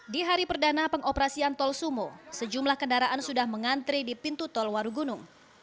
di hari perdana pengoperasian tol sumo sejumlah kendaraan sudah mengantri di pintu tol warugunung